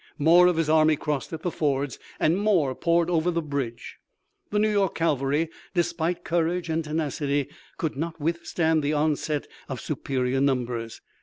More of his army crossed at the fords and more poured over the bridge. The New York cavalry, despite courage and tenacity, could not withstand the onset of superior numbers.